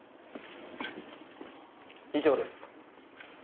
以上です。